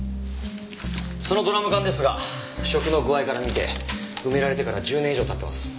そのドラム缶ですが腐食の具合から見て埋められてから１０年以上経ってます。